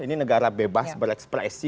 ini negara bebas berekspresi